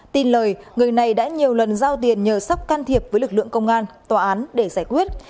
tin lời người này đã nhiều lần giao tiền nhờ sóc can thiệp với lực lượng công an tòa án để giải quyết